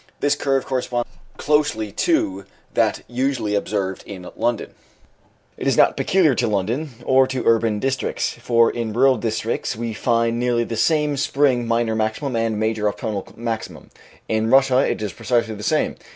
This curve corresponds closely to that usually observed in London. It is not peculiar to London, or to urban districts, for in rural districts we find nearly the same spring minor maximum and major autumnal maximum. In Russia it is precisely the same.